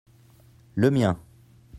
le mien.